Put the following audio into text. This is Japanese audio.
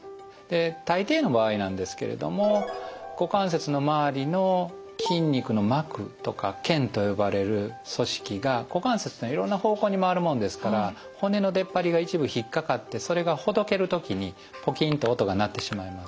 大抵の場合なんですけれども股関節の周りの筋肉の膜とか腱と呼ばれる組織が股関節というのはいろんな方向に回るもんですから骨の出っ張りが一部引っ掛かってそれがほどける時にポキンと音が鳴ってしまいます。